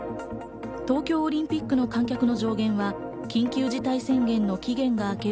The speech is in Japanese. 東京オリンピックの観客の上限は緊急事態宣言があける